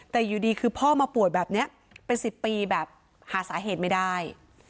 แต่อยู่ดีคือพ่อมาป่วยแบบนี้เป็น๑๐ปีแบบหาสาเหตุไม่ได้